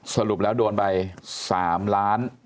สรุปแล้วโดนไป๓ล้าน